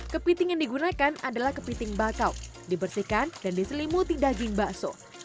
kepiting yang digunakan adalah kepiting bakau dibersihkan dan diselimuti daging bakso